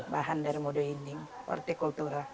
bahan dari modo inding hortikultura